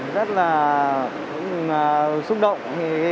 rất là thụ xúc động